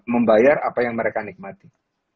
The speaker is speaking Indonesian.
membayar apa yang mereka nikmati